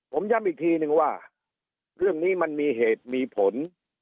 ผมย้ำอีกทีนึงว่าเรื่องนี้มันมีเหตุมีผล